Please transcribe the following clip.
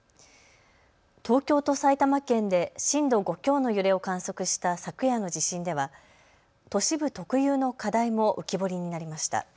東京と埼玉県で震度５強の揺れを観測した昨夜の地震では都市部特有の課題も浮き彫りになりました。